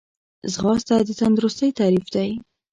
ځغاسته د تندرستۍ تعریف دی